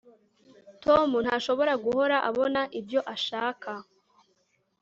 tom ntashobora guhora abona ibyo ashaka